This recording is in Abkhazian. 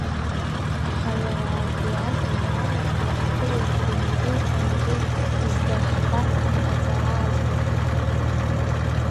Аха иара абри ажәеинраалаҿы иаҳԥылоит жәынгьы-ҿангьы зда ҳхәарҭам аҵара аӡбахәгьы…